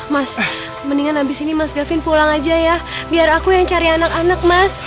mas mendingan habis ini mas kevin pulang aja ya biar aku yang cari anak anak mas